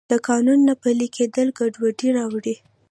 د قانون نه پلی کیدل ګډوډي راوړي.